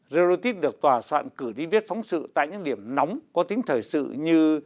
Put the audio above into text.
relotite được tòa soạn cử đi viết phóng sự tại những điểm nóng có tính thời sự như